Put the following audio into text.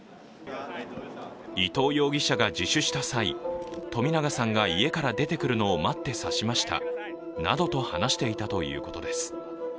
伊藤容疑者が自首した際、冨永さんが家から出てくるのを待って刺しましたなどと話していたということです。